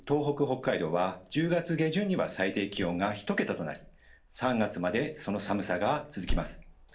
北海道は１０月下旬には最低気温が１桁となり３月までその寒さが続きます。